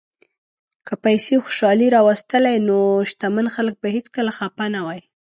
که پیسې خوشالي راوستلی، نو شتمن خلک به هیڅکله خپه نه وای.